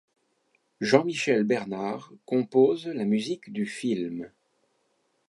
Jean-Michel Bernard compose la musique du film.